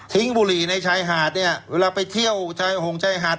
บุหรี่ในชายหาดเนี่ยเวลาไปเที่ยวชายหงชายหาด